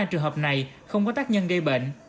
ba trường hợp này không có tác nhân gây bệnh